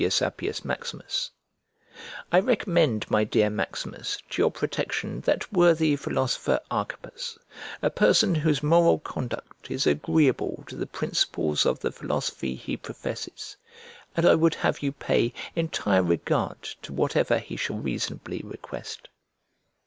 APPIUS MAXIMUS "I recommend, my dear Maximus, to your protection that worthy philosopher Archippus; a person whose moral conduct is agreeable to the principles of the philosophy he professes; and I would have you pay entire regard to whatever he shall reasonably request."